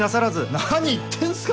何言ってんすか。